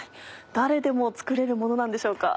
誰でも作れるものなんでしょうか？